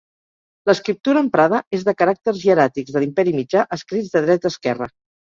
L'escriptura emprada és de caràcters hieràtics de l'Imperi Mitjà escrits de dreta a esquerra.